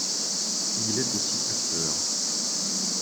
Il est aussi acteur.